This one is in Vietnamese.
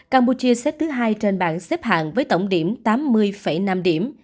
campuchia xếp thứ hai trên bảng xếp hạng với tổng điểm tám mươi năm điểm